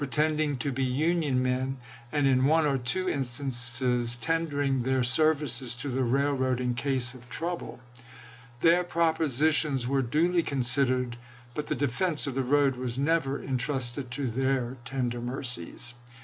tending to be Union men, and in one or two instances tendering their services to the railroad in case of trouble. Their propositions were duly considered ; but the defense of the road was never intrusted to their tender mercies.